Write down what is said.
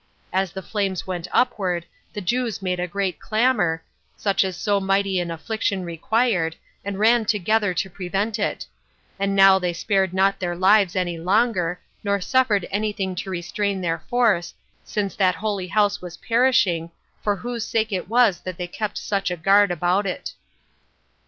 As the flames went upward, the Jews made a great clamor, such as so mighty an affliction required, and ran together to prevent it; and now they spared not their lives any longer, nor suffered any thing to restrain their force, since that holy house was perishing, for whose sake it was that they kept such a guard about it.